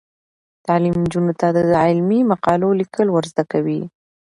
تعلیم نجونو ته د علمي مقالو لیکل ور زده کوي.